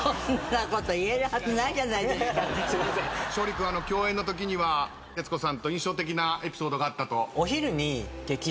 勝利君共演のときには徹子さんと印象的なエピソードがあったと。